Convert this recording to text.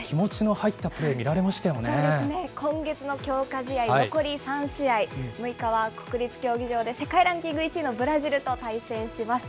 今月の強化試合、残り３試合、６日は国立競技場で世界ランキング１位のブラジルと対戦します。